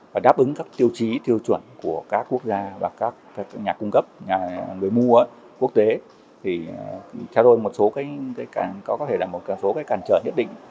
và đáp ứng các tiêu chí tiêu chuẩn của các quốc gia và các nhà cung cấp nhà người mua quốc tế thì theo tôi có thể là một số cái càn trở nhất định